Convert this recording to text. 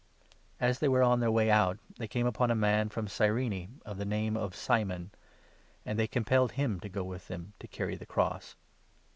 As they were on their way out, they came upon a man from 32 Cyrene of the name of Simon ; and they compelled him to go with them to carry the cross.